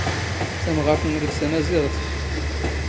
ⵜⴰⵎⵖⴰⵔⵜ ⵏⵏⴽ ⴷ ⵜⴰⵎⴰⵣⵉⵖⵜ?